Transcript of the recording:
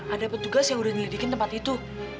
ada petugas yang udah nyelidikin tempat itu